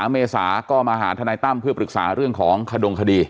เมษาก็มาหาทนายตั้มเพื่อปรึกษาเรื่องของขดงคดี